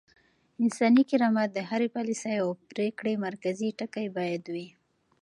انساني کرامت د هرې پاليسۍ او پرېکړې مرکزي ټکی بايد وي.